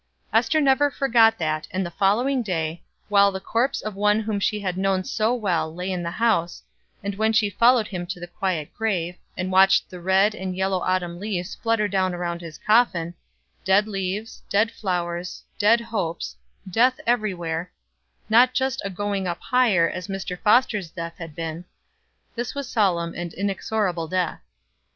'" Ester never forgot that and the following day, while the corpse of one whom she had known so well lay in the house; and when she followed him to the quiet grave, and watched the red and yellow autumn leaves flutter down around his coffin dead leaves, dead flowers, dead hopes, death every where not just a going up higher, as Mr. Foster's death had been this was solemn and inexorable death.